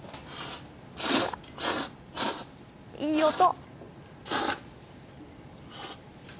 いい音。